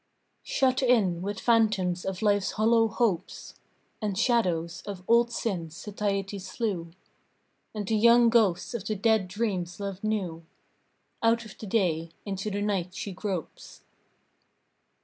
Shut in with phantoms of life's hollow hopes, And shadows of old sins satiety slew, And the young ghosts of the dead dreams love knew, Out of the day into the night she gropes.